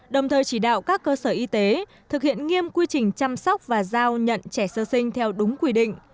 đồng thời chỉ đạo các cơ sở y tế thực hiện nghiêm quy trình chăm sóc và giao nhận trẻ sơ sinh theo đúng quy định